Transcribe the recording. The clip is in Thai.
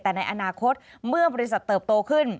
แต่ในอนาคตเมื่อบริษัทเติบโตขึ้น